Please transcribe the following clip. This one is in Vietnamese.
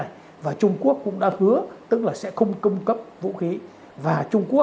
tổng thống đức họ cũng đã hứa với nga sẽ không cung cấp vũ khí cho nga